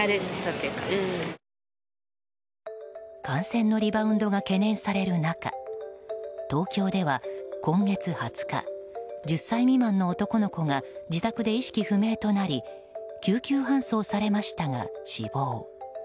感染のリバウンドが懸念される中東京では、今月２０日１０歳未満の男の子が自宅で意識不明となり救急搬送されましたが、死亡。